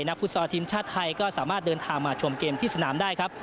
ฟุตซอลทีมชาติไทยก็สามารถเดินทางมาชมเกมที่สนามได้ครับ